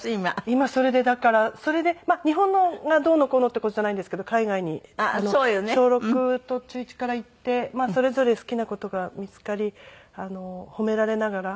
今だからそれで日本がどうのこうのっていう事じゃないんですけど海外に小６と中１から行ってそれぞれ好きな事が見つかり褒められながら。